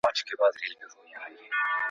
ښه ذهنیت خوښي نه زیانمنوي.